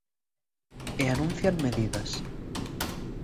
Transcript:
E anuncian medidas.